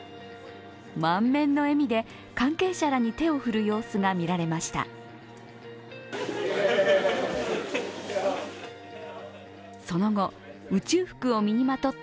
満面の笑みで関係者らに手を振る様子が見られました。